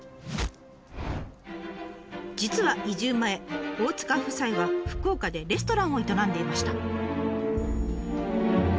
実は移住前大塚夫妻は福岡でレストランを営んでいました。